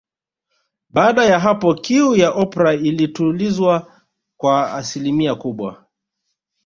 Baada ya hapo kiu ya Oprah ilitulizwa kwa asilimia kubwa